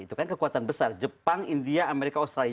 itu kan kekuatan besar jepang india amerika australia